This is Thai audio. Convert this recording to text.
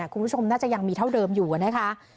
คุณผู้ชมน่าจะยังมีเท่าเดิมอยู่นะคะ